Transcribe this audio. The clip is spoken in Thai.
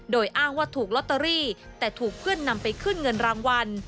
โดยอ้างว่าถูกลอตเตอรี่แต่ถูกเพื่อนนำไปขึ้นเงินรางวัล